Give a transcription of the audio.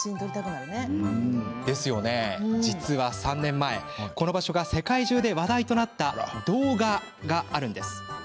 実は３年前、この場所が世界中で話題となった動画があるんです。